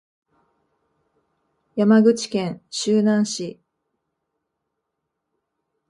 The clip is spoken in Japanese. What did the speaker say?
山口県周南市